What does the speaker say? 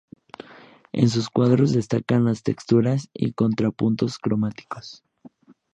En sus cuadros destacan las texturas y contrapuntos cromáticos.